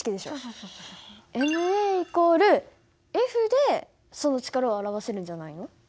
ｍａ＝Ｆでその力を表せるんじゃないの？